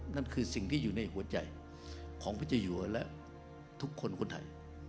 นั่นคือสิ่งที่อยู่ในหัวใจของพระเจ้าอยู่และทุกคนคนไทย